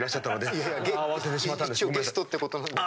いやいや一応ゲストってことなんですけど。